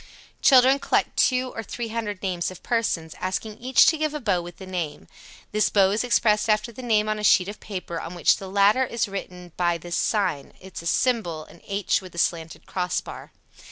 Children collect two or three hundred names of persons, asking each to give a bow with the name. This bow is expressed after the name on a sheet of paper on which the latter is written by this sign [Symbol: H with slanted cross bar].